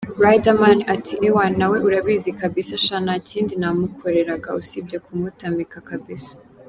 Riderman ati: “Ewana nawe urabizi kabisa! Sha ntakindi namukoreraga usibye kumutamika kabisa.